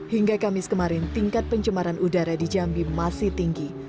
hingga kamis kemarin tingkat pencemaran udara di jambi masih tinggi